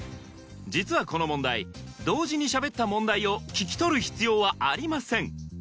実はこの問題同時にしゃべった問題を聞き取る必要はありません